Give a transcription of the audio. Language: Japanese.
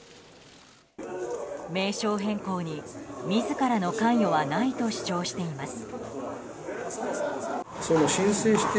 名称変更に自らの関与はないと主張しています。